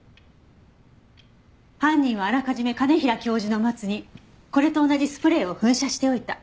犯人はあらかじめ兼平教授のマツにこれと同じスプレーを噴射しておいた。